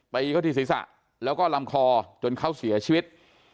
ตีเขาที่ศีรษะแล้วก็ลำคอจนเขาเสียชีวิต